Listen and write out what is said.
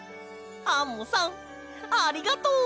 アンモさんありがとう！